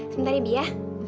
sebentar ya bi ya